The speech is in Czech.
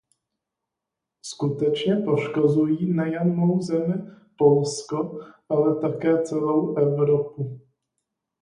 Skutečně poškozují nejen mou zemi, Polsko, ale také celou Evropu.